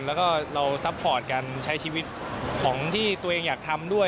แล้วก็เราซัพพอร์ตการใช้ชีวิตของที่ตัวเองอยากทำด้วย